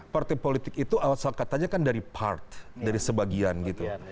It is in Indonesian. partai politik itu asal katanya kan dari part dari sebagian gitu